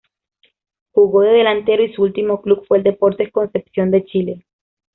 Jugó de delantero y su último club fue el Deportes Concepción de Chile.